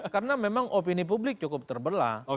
karena memang opini publik cukup terbelah